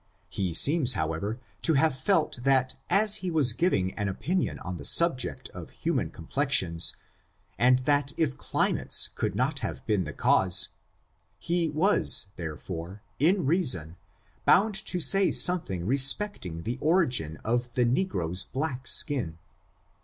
He seems, however, to have felt that as he was giving an opinion on the subject of human complexions, and that if climates could not have been the cause, he was, therefore, in reason, bound to say something re specting the origin of the negro's black skin.